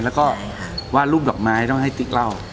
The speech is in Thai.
แล้วก็วาดรูปดอกไม้ต้องให้ติ๊กเล่า